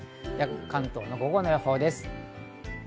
関東の午後の予報です。